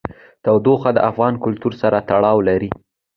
تودوخه د افغان کلتور سره تړاو لري.